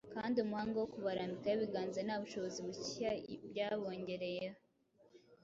kandi umuhango wo kubarambikaho ibiganza nta bushobozi bushya byabongereyeho.